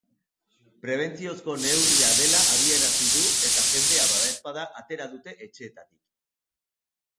Prebentziozko neurria dela adierazi du, eta jendea badaezpada atera dute etxeetatik.